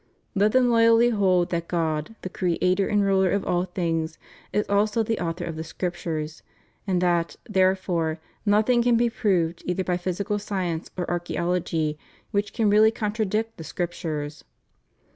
Let them loyally hold that God, the Creator and Ruler of all things, is also the Author of the Scriptures — and that, therefore, nothing can be proved either by physical science or archaeology which can really contradict the Scriptures.